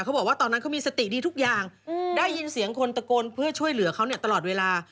บอกว่าตอนนั้นเขามีสติดีทุกอย่างได้ยินเสียงคนตะโกนเพื่อช่วยเหลือเขาเนี่ยตลอดเวลา